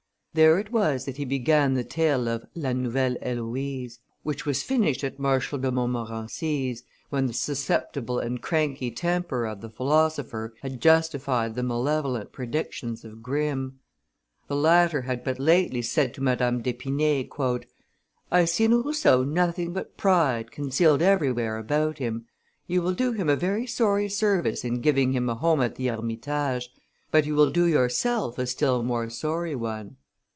There it was that he began the tale of La Nouvelle Heloise, which was finished at Marshal de Montmorency's, when the susceptible and cranky temper of the philosopher had justified the malevolent predictions of Grimm. The latter had but lately said to Madame d'Epinay "I see in Rousseau nothing but pride concealed everywhere about him; you will do him a very sorry service in giving him a home at the Hermitage, but you will do yourself a still more sorry one.